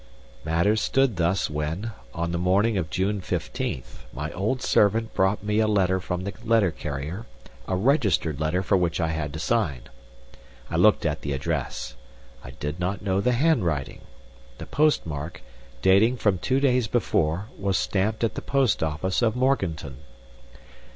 Matters stood thus when, on the morning of June fifteenth, my old servant brought me a letter from the letter carrier, a registered letter for which I had to sign. I looked at the address. I did not know the handwriting. The postmark, dating from two days before, was stamped at the post office of Morganton.